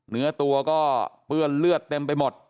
เนื้อตัวก็เปื้อนเลือดเต็มไปหมด